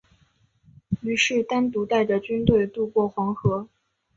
于是单独带着军队渡过黄河。